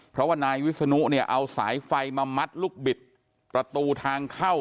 เพราะว่านายวิศนุเนี่ยเอาสายไฟมามัดลูกบิดประตูทางเข้า